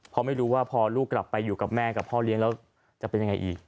เพราะไม่รู้ว่าพอลูกกลับไปอยู่กับแม่กับพ่อเลี้ยงแล้วจะเป็นยังไงอีก